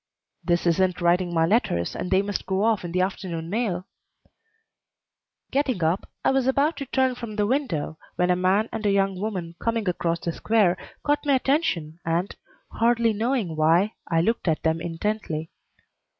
"This isn't writing my letters, and they must go off on the afternoon mail." Getting up, I was about to turn from the window when a man and a young woman coming across the Square caught my attention and, hardly knowing why, I looked at them intently.